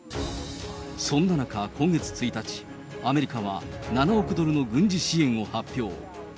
そんな中、今月１日、アメリカは７億ドルの軍事支援を発表。